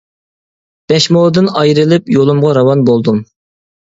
بەش مودىن ئايرىلىپ يولۇمغا راۋان بولدۇم.